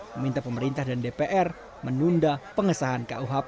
meminta pemerintah dan dpr menunda pengesahan kuhp